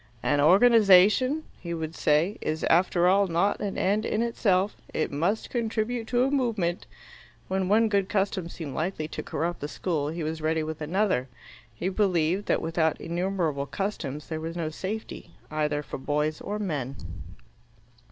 "An organization," he would say, "is after all not an end in itself. It must contribute to a movement." When one good custom seemed likely to corrupt the school, he was ready with another; he believed that without innumerable customs there was no safety, either for boys or men.